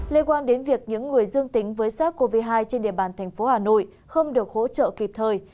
liên quan đến việc những người dương tính với sars cov hai trên địa bàn thành phố hà nội không được hỗ trợ kịp thời